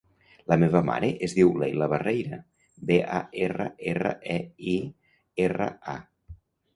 La meva mare es diu Leila Barreira: be, a, erra, erra, e, i, erra, a.